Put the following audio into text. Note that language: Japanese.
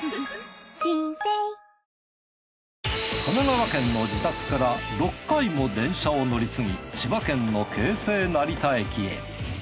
神奈川県の自宅から６回も電車を乗り継ぎ千葉県の京成成田駅へ。